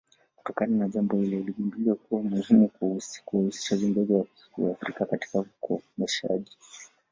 Kutokana na jambo hilo iligunduliwa kuwa muhimu kuwahusisha viongozi wa Kiafrika katika ukomeshaji